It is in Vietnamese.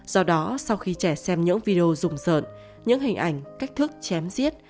do đó sau khi trẻ xem những video rùng rợn những hình ảnh cách thức chém giết